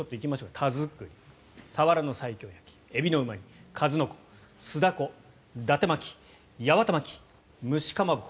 田作り、サワラの西京焼きエビのうま煮数の子、酢ダコ、だて巻き八幡巻き、蒸しかまぼこ